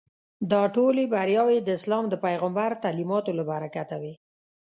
دا ټولې بریاوې د اسلام د پیغمبر تعلیماتو له برکته وې.